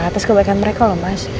atas kebaikan mereka loh mas